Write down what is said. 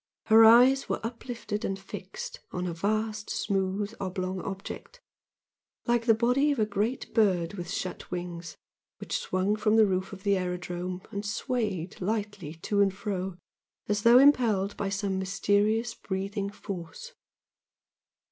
Her eyes were uplifted and fixed on a vast, smooth oblong object, like the body of a great bird with shut wings, which swung from the roof of the aerodrome and swayed lightly to and fro as though impelled by some mysterious breathing force.